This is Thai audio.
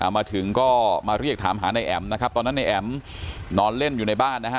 มาถึงก็มาเรียกถามหานายแอ๋มนะครับตอนนั้นนายแอ๋มนอนเล่นอยู่ในบ้านนะฮะ